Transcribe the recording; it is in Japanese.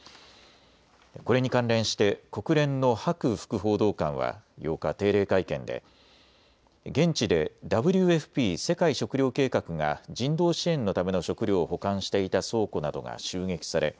これに関連して国連のハク副報道官は８日、定例会見で現地でＷＦＰ・世界食糧計画が人道支援のための食料を保管していた倉庫などが襲撃され